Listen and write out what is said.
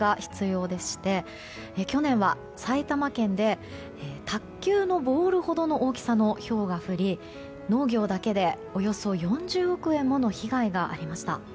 特に農作物に警戒が必要でして去年は埼玉県で卓球のボールほどの大きさのひょうが降り農業だけで、およそ４０億円もの被害がありました。